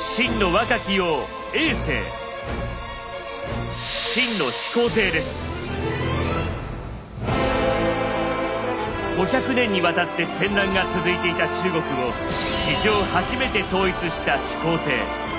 秦の若き王５００年にわたって戦乱が続いていた中国を史上初めて統一した始皇帝。